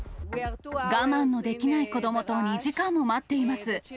我慢のできない子どもと２時間も待っています。